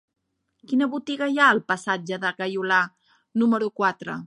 Quina botiga hi ha al passatge de Gaiolà número quatre?